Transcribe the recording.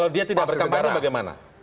kalau dia tidak berkambara bagaimana